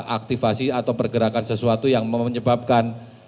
aktifasi atau pergerakan sesuatu yang menyebabkan